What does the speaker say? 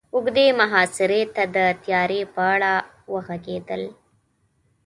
اوږدې محاصرې ته د تياري په اړه وغږېدل.